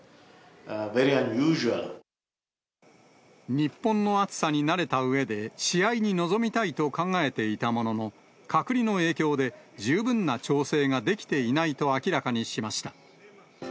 日本の暑さに慣れたうえで、試合に臨みたいと考えていたものの、隔離の影響で、十分な調整ができていないと明らかにしました。